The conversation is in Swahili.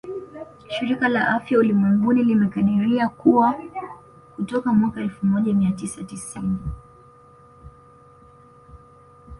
Shirika la Afya Ulimwenguni limekadiria kuwa kutoka mwaka elfu moja mia tisa tisini